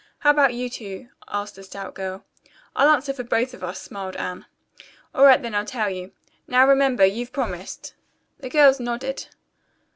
"How about you two?" asked the stout girl. "I'll answer for both of us," smiled Anne. "All right then, I'll tell you. Now remember, you've promised." The girls nodded.